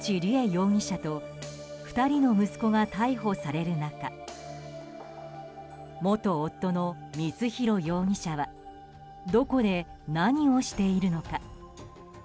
容疑者と２人の息子が逮捕される中元夫の光弘容疑者はどこで何をしているのか。